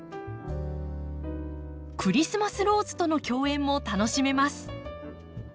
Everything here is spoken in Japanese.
クリスマスローズとの競演も楽しめます。